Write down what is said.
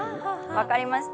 分かりました。